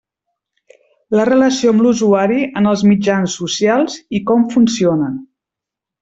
La relació amb l'usuari en els mitjans social i com funcionen.